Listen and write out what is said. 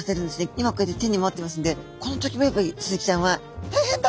今こうやって手に持ってますんでこの時もやっぱりスズキちゃんは「大変だ！